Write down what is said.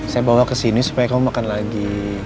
saya bawa kesini supaya kamu makan lagi